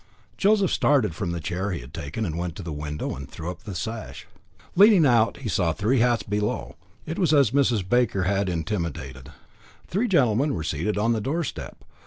Joseph started from the chair he had taken, and went to the window, and threw up the sash. Leaning out, he saw three hats below. It was as Mrs. Baker had intimated. Three gentlemen were seated on the doorstep.